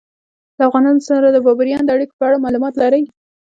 له افغانانو سره د بابریانو د اړیکو په اړه معلومات لرئ؟